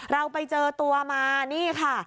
เราไปเจอตัวมานี่ค่ะ